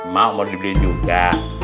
mau mau dibeliin juga